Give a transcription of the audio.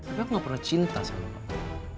tapi aku gak pernah cinta sama kamu